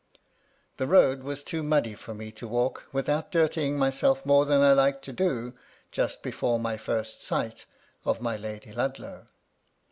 The road was too MY LADY LUDLOW. 21 muddy for me to walk without dirtying myself more than I liked to do, just before my first sight of my Lady Ludlow.